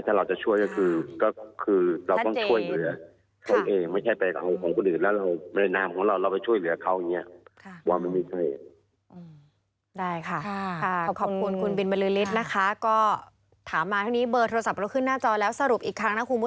ถ้าเราจะช่วยก็คือเราก็ต้องช่วยเหลือ